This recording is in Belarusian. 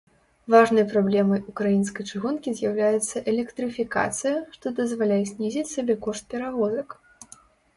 Важнай праблемай ўкраінскай чыгункі з'яўляецца электрыфікацыя, што дазваляе знізіць сабекошт перавозак.